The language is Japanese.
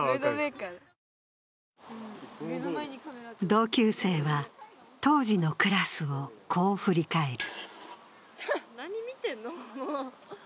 同級生は当時のクラスを、こう振り返る。